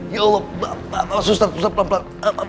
ya allah ustadz pelan pelan